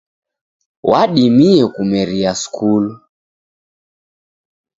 Wadimie kumeria skulu.